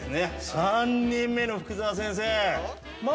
３人目の福沢先生。